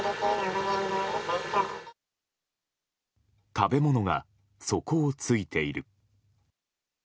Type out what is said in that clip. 食べ物が底をついている。